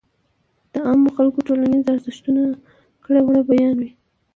د عامو خلکو ټولنيز ارزښتونه ،کړه وړه بيان وي.